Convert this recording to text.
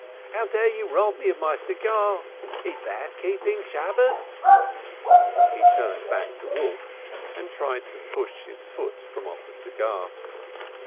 How dare you rob me of my cigar is that keeping Shabbos?" He turned back to Wolf, and tried to push his foot from off the cigar.